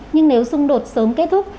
nhưng nếu xung đột sớm kết thúc